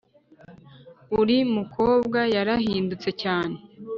uri mukobwa yarahindutse cyane